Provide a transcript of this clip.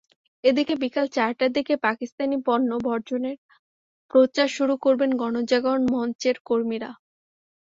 এদিকে বিকেল চারটার দিকে পাকিস্তানি পণ্য বর্জনের প্রচার শুরু করবেন গণজাগরণ মঞ্চের কর্মীরা।